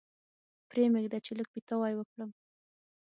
پرې مېږده چې لږ پیتاوی وکړم.